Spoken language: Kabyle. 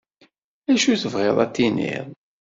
Acu tebɣiḍ ad tiniḍ?